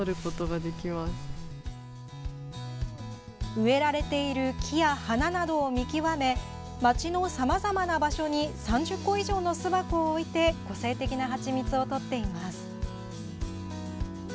植えられている木や花などを見極め街のさまざまな場所に３０個以上の巣箱を置いて個性的なハチミツを採っています。